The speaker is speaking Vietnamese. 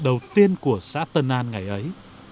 đầu tiên của xã tân an ngày ấy